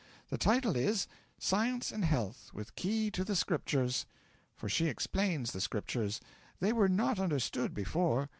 The title is "Science and Health, with Key to the Scriptures" for she explains the Scriptures; they were not understood before.